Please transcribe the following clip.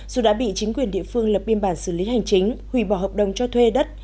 dù đã bị chính quyền địa phương lập biên bản xử lý hành chính hủy bỏ hợp đồng cho thuê đất